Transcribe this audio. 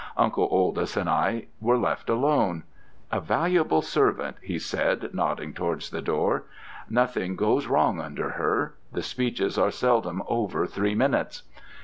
Uncle Oldys and I were left alone. 'A valuable servant,' he said, nodding towards the door. 'Nothing goes wrong under her: the speeches are seldom over three minutes.'